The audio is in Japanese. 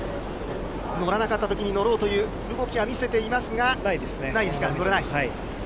乗らなかった時に乗ろうという動きは見せていますが、乗れない。